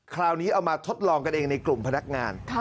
คราวนี้เอามาทดลองกันเองในกลุ่มพนักงาน